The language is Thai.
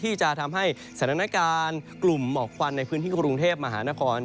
ที่จะทำให้สถานการณ์กลุ่มหมอกควันในพื้นที่กรุงเทพมหานคร